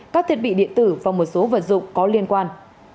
các thiết bị điện tử và một số vật dụng có liên quan